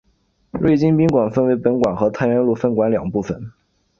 瑞金宾馆分为本馆和太原路分馆两部份。